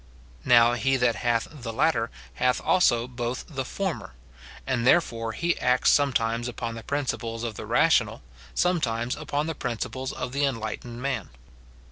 Now, he that hath the latter hath also both the former ; and therefore he acts sometimes upon the principles of the rational, some times upon the principles of the enlightened man.